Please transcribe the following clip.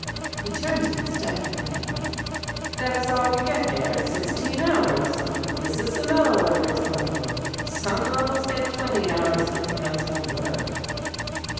He turned and stared at me. "That is all we get here, sixteen hours. This is the metal workers' level. Some levels get twenty hours. It depends on the work."